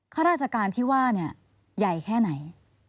ข้าราชการที่ว่าเนี่ยใหญ่แค่ไหน